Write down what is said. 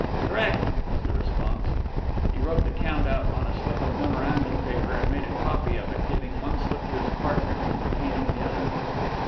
"Correct," was the response. He wrote the count out on a slip of memorandum paper, and made a copy of it, giving one slip to his partner and retaining the other.